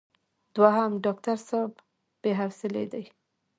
دوهم: ډاکټر صاحب بې حوصلې دی.